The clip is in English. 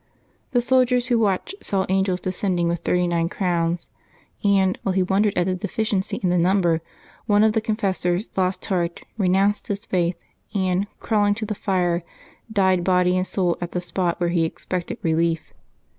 The soldiers who watched saw angels descending with thirty nine crowns, and, while he wondered at the defi ciency in the number, one of the confessors lost heart, re nounced his faith, and, crawling to the fire, died body and soul at the spot where he expected relief.